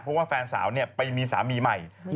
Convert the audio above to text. เพราะว่าแฟนสาวไปมีสามีใหม่